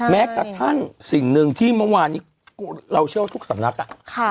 แม้จากท่านสิ่งหนึ่งที่เมื่อวานเราเชื่อว่าทุกสำนักอ่ะ